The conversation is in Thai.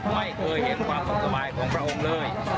ไม่เคยเห็นความสุขสบายของพระองค์เลย